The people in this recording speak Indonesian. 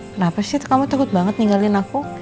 kenapa sih kamu takut banget ninggalin aku